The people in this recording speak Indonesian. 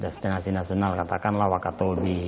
destinasi nasional katakanlah wakatori